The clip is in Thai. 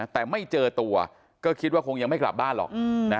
แต่ไม่เจอตัวก็คิดว่าคงยังไม่กลับบ้านหรอก